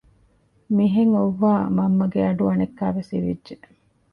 މިހެން އޮއްވާ މަންމަގެ އަޑު އަނެއްކާވެސް އިވިއްޖެ